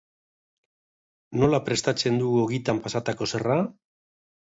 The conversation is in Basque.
Nola prestatzen dugu ogitan pasatako xerra?